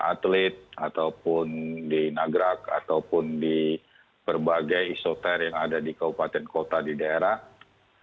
atlet ataupun di nagrak ataupun di berbagai isoter yang ada di kabupaten kota di daerah